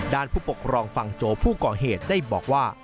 ผู้ปกครองฟังโจผู้ก่อเหตุได้บอกว่า